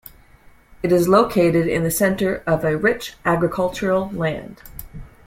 It is located in the center of rich agricultural land.